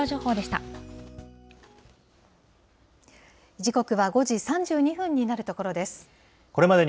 時刻は５時３２分になるところです。